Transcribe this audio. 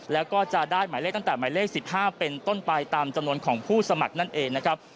แล้วก็จะได้หมายเลขตั้งแต่หมายเลข๑๕เป็นต้นไปตามจำนวนของผู้สมัครนั่นเองนะครับ